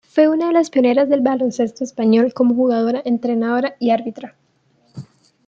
Fue una de las pioneras del baloncesto español, como jugadora, entrenadora y árbitra.